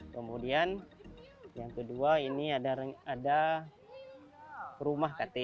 kemudian yang kedua ini ada rumah ktp